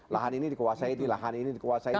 lahan ini dikuasai lahan ini dikuasai dan sebagainya